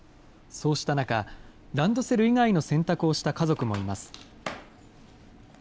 そうした中、ランドセル以外の選択をした家族もいます。